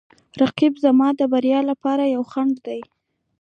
رقیب زما د بریا لپاره یو خنډ دی